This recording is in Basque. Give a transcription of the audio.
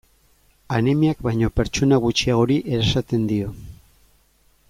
Anemiak baino pertsona gutxiagori erasaten dio.